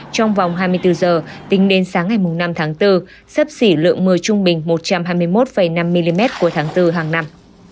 trong vòng hai mươi bốn giờ tính đến sáng ngày năm tháng bốn sấp xỉ lượng mưa trung bình một trăm hai mươi một năm mm cuối tháng bốn hàng năm